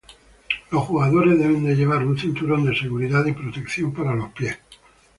Los jugadores deben llevar un cinturón de seguridad y protección para los pies.